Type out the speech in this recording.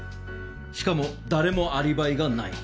しかも誰もアリバイがない。